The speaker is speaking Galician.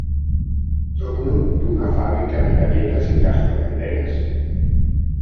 Dono dunha fábrica de galletas en Castro Caldelas.